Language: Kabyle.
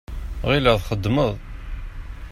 Ɣileɣ txeddmeḍ.